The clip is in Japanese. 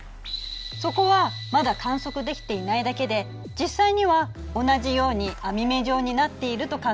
そこはまだ観測できていないだけで実際には同じように網目状になっていると考えられているの。